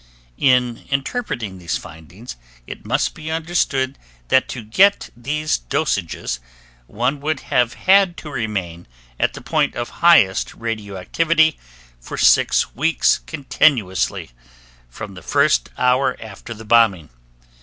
In interpreting these findings it must be understood that to get these dosages, one would have had to remain at the point of highest radioactivity for 6 weeks continuously, from the first hour after the bombing.